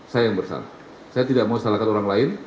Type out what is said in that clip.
saya yang bersalah saya tidak mau salahkan orang lain